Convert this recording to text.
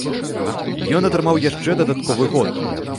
Ён атрымаў яшчэ дадатковы год.